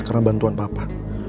karena bantuan papa